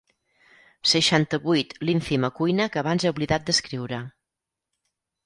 Seixanta-vuit l'ínfima cuina que abans he oblidat descriure.